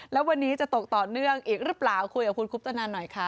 แล้ววันนี้จะตกต่อเนื่องอีกหรือเปล่าคุยกับคุณคุปตนันหน่อยค่ะ